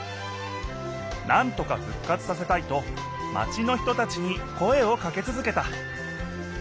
なんとか復活させたいとマチの人たちに声をかけ続けた。